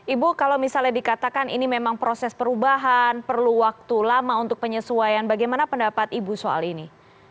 ibu kalau misalnya dikatakan ini memang proses perubahan perlu waktu lama untuk penyesuaian bagaimana pendapat ibu soal ini